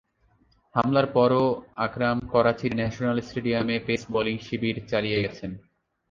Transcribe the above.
হামলার পরও আকরাম করাচির ন্যাশনাল স্টেডিয়ামে পেস বোলিং শিবির চালিয়ে গেছেন।